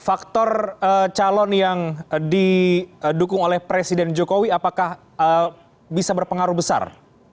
faktor calon yang didukung oleh presiden jokowi apakah bisa berpengaruh besar